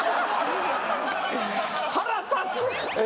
腹立つ。